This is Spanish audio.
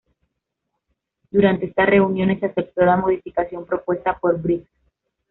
Durante estas reuniones se aceptó la modificación propuesta por Briggs.